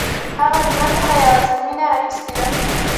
هغه له ژوند څخه یوازې مینه راخیستې ده